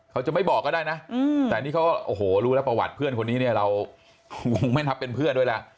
เขาจะไม่บอกก็ได้นะแต่นี่เขาโอ้โหรู้แล้วประวัติเพื่อนคนนี้เนี่ยเราคงไม่นับเป็นเพื่อนด้วยแล้ว